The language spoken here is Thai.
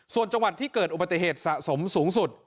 ส่วนจังหวัดที่เกิดอุบัติเหตุสะสมสูงสุด